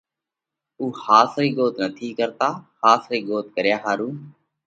اُو ۿاس رئِي ڳوت نٿِي ڪرتا۔ ۿاس رئِي ڳوت ڪريا ۿارُو